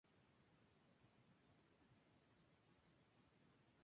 En los últimos años, los nuevos inmigrantes aportaron algunas palabras de su español chileno.